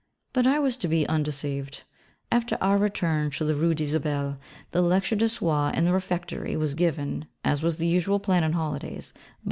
But I was to be undeceived. After our return to the Rue d'Isabelle, the lecture du soir in the refectory was given, as was the usual plan on holidays, by M.